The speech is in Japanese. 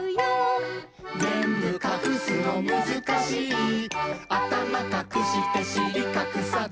「ぜんぶかくすのむずかしい」「あたまかくしてしりかくさず」